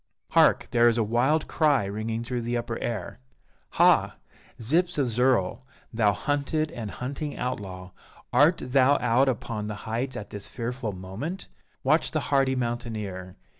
Hark! there is a wild cry ringing through the upper air! Ha! Zyps of Zirl, thou hunted and hunting outlaw, art thou out upon the heights at this fearful moment? Watch the hardy mountaineer!